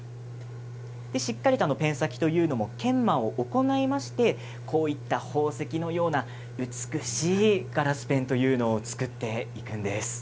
しっかりとペン先というのも研磨を行いましてこういった宝石のような美しいガラスペンというのを作っていくんです。